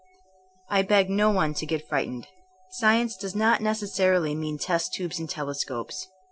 I beg no one to get frightened. Science does not necessarily mean test tubes and telescopes.